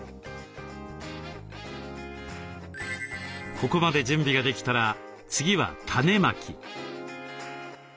ここまで準備ができたら次は種まき。